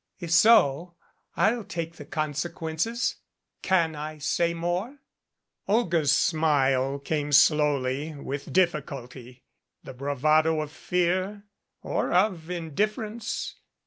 If so, I'll take the consequences. Can I say more?" NEMESIS Olga's smile came slowly with difficulty. The bra vado of fear? Or of indifference?